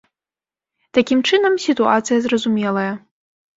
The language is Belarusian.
Такім чынам, сітуацыя зразумелая.